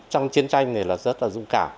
trong chiến tranh này là rất là dũng cảm